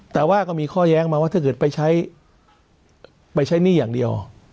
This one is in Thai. แต่ว่าก็มีข้อแย้งมาว่าถ้าเกิดไปใช้ไปใช้หนี้อย่างเดียว